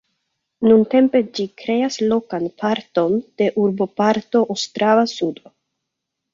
Nuntempe ĝi kreas lokan parton de urboparto Ostrava-Sudo.